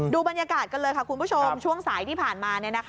ดูบรรยากาศกันเลยค่ะคุณผู้ชมช่วงสายที่ผ่านมา